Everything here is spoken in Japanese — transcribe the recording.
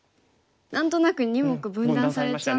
何となく２目分断されちゃって。